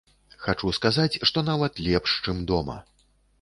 Хачу сказаць, што нават лепш, чым дома.